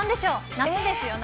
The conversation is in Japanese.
夏ですよ、夏。